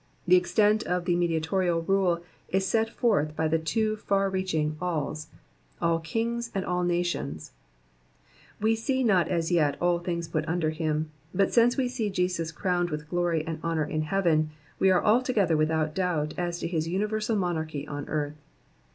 The extent of the mediatorial mle is set forth by the two far reaching alls, all kings and all nations : we see not as yet all things put under him, but since we see Jesus crowned with glory and honour in heaven, we are altogether without doubt as to his univeisal monarchy on earth.